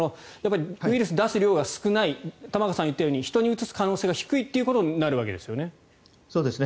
ウイルスを出す量が少ない玉川さんが言ったように人にうつす可能性が低いってことになるわけですよね。